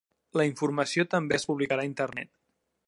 La informació també es publicarà a Internet.